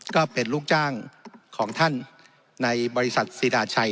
ก็เป็นลูกจ้างของท่านในบริษัทศิราชัย